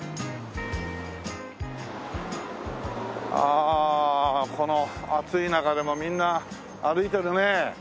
ああこの暑い中でもみんな歩いてるね。